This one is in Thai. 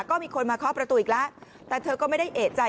ก็มีคนมาเคาะประตูอีกแล้วแต่เธอก็ไม่ได้เอกใจ